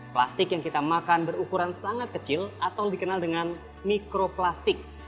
plastik yang kita makan berukuran sangat kecil atau dikenal dengan mikroplastik